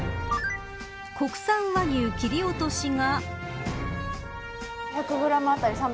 国産和牛切り落としが。